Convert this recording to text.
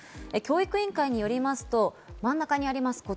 教育委員会によりますと真ん中にあります。